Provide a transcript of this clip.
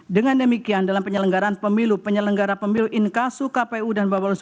dengan demikian dalam penyelenggaraan pemilu penyelenggara pemilu inkasuh kpu dan bawalus